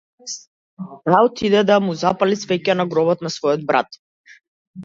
Таа отиде да му запали свеќа на гробот на својот брат.